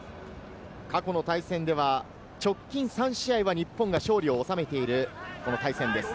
過去の対戦では直近３試合は日本が勝利を収めている、この対戦です。